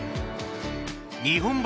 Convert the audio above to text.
日本橋